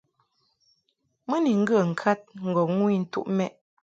Mɨ ni ŋgə ŋkad ŋgɔŋ ŋu intuʼ mɛ›.